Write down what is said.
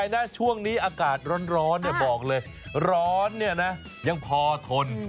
นะช่วงนี้อากาศร้อนบอกเลยร้อนเนี่ยนะยังพอทน